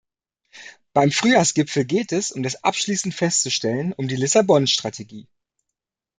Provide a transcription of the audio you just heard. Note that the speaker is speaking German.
Beim Frühjahrsgipfel geht es, um das abschließend festzustellen, um die Lissabon-Strategie.